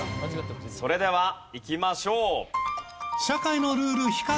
それではいきましょう。